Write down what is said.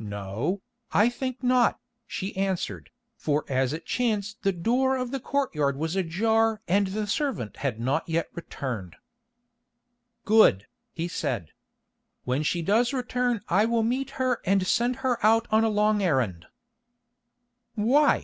"No, I think not," she answered, "for as it chanced the door of the courtyard was ajar and the servant has not yet returned." "Good," he said. "When she does return I will meet her and send her out on a long errand." "Why?"